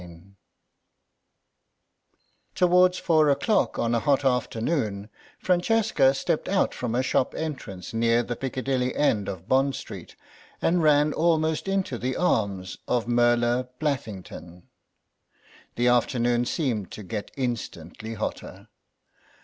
CHAPTER VII TOWARDS four o'clock on a hot afternoon Francesca stepped out from a shop entrance near the Piccadilly end of Bond Street and ran almost into the arms of Merla Blathlington. The afternoon seemed to get instantly hotter.